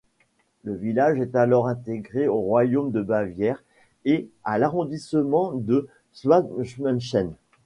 Le village est alors intégré au royaume de Bavière et à l'arrondissement de Schwabmünchen.